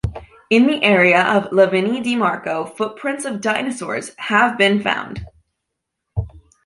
In the area of Lavini di Marco footprints of dinosaurs have been found.